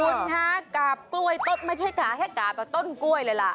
คุณคะกาบกล้วยต้นไม่ใช่กาแค่กาบแบบต้นกล้วยเลยล่ะ